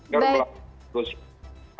dan melakukan negosiasi